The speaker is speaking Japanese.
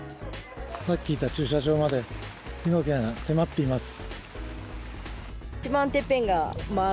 さっきいた駐車場まで火の手が迫っています。